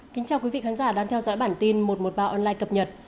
kính chào quý vị khán giả đang theo dõi bản tin một trăm một mươi ba online cập nhật